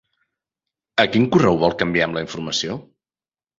A quin correu vol que enviem la informació?